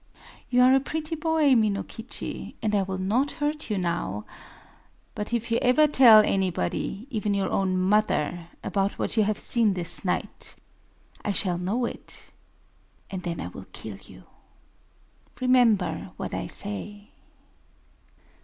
You are a pretty boy, Minokichi; and I will not hurt you now. But, if you ever tell anybody—even your own mother—about what you have seen this night, I shall know it; and then I will kill you... Remember what I say!"